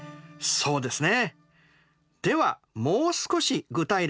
そうですね。